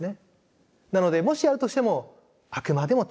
なのでもしやるとしてもあくまでも対話。